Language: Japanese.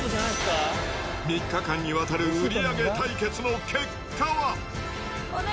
３日間にわたる売り上げ対決の結果は。